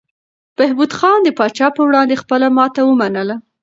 بهبود خان د پاچا په وړاندې خپله ماتې ومنله.